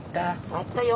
あったよ。